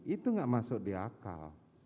itu nggak masuk di akal